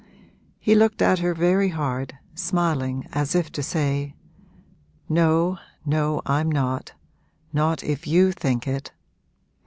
He looked at her very hard, smiling as if to say, 'No, no, I'm not not if you think it!'